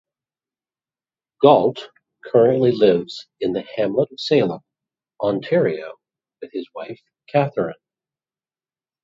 Galt currently lives in the hamlet of Salem, Ontario with his wife Catherine.